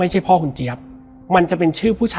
แล้วสักครั้งหนึ่งเขารู้สึกอึดอัดที่หน้าอก